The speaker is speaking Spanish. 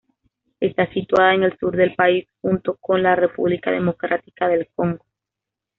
Está situada en el sur del país, junto con la República Democrática del Congo.